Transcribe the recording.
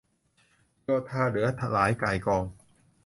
โยธาเหลือหลายก่ายกอง